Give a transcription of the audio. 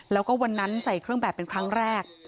แล้วก็วันนั้นใส่เครื่องแบบเป็นครั้งแรก